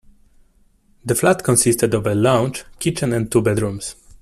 The flat consisted of a lounge, kitchen and two bedrooms.